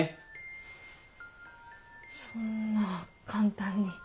そんな簡単に。